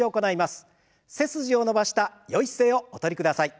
背筋を伸ばしたよい姿勢をお取りください。